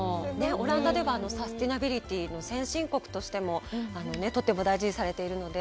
オランダではサスティナビリティの先進国としてもとても大事にされているので。